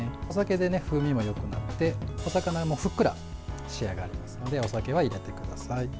お酒で風味もよくなってお魚もふっくら仕上がりますのでお酒は入れてください。